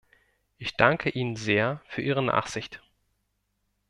Ich danke Ihnen sehr für Ihre Nachsicht.